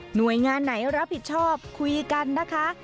หน่วยงานไหนรับผิดชอบคุยกันนะคะ